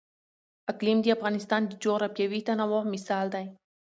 اقلیم د افغانستان د جغرافیوي تنوع مثال دی.